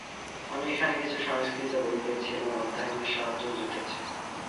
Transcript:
আমি এখানে কিছু সংস্কৃত বই পেয়েছি এবং অধ্যায়নের সাহায্যও জুটেছে।